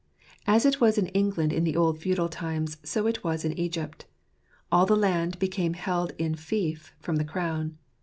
As it was in England in the old feudal times, so it was in Egypt : all the land became held in fief from the crown.